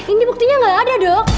ini buktinya nggak ada dok